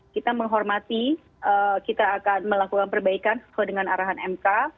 kita menghormati kita akan melakukan perbaikan sesuai dengan arahan mk